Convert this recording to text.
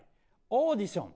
「オーディション」。